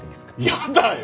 やだよ！